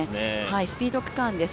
スピード区間です。